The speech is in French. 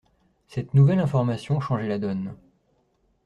Cette nouvelle information changeait la donne.